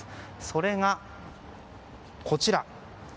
それが、こちら。